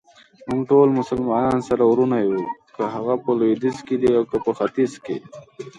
موږټول مسلمانان سره وروڼه يو ،که هغه په لويديځ کې دي اوکه په ختیځ.